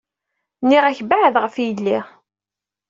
Nniɣ-ak-d beɛɛed ɣef yelli.